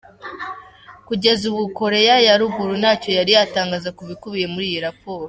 Kugeza ubu, Koreya ya Ruguru ntacyo yari yatangaza ku bikubiye muri iyi raporo.